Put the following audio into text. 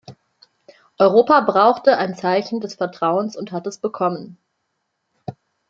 Europa brauchte ein Zeichen des Vertrauens und hat es bekommen.